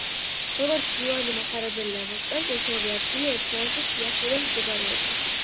როგორც იოანე მახარებელი ამოწმებს, ეს ორი ადგილი ერთმანეთის სიახლოვეს მდებარეობდა.